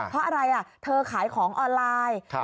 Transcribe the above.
เพราะอะไรเธอขายของออนไลน์